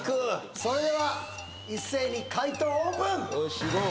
それでは一斉に解答オープン！